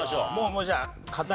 もうじゃあ堅く